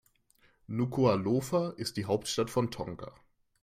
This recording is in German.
Nukuʻalofa ist die Hauptstadt von Tonga.